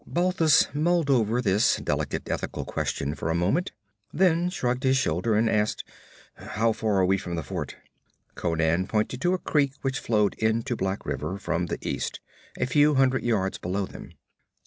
Balthus mulled over this delicate ethical question for a moment, then shrugged his shoulder and asked: 'How far are we from the fort?' Conan pointed to a creek which flowed into Black River from the east, a few hundred yards below them.